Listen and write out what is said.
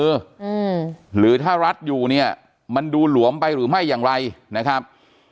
อืมหรือถ้ารัดอยู่เนี่ยมันดูหลวมไปหรือไม่อย่างไรนะครับ